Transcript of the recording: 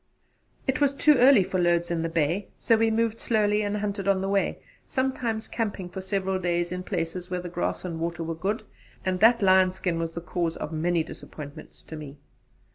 It was too early for loads in the Bay, so we moved slowly and hunted on the way, sometimes camping for several days in places where grass and water were good; and that lion skin was the cause of many disappointments to me.